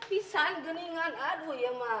pisang geningan aduh ya maaf